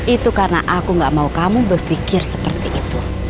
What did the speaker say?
itu karena aku gak mau kamu berpikir seperti itu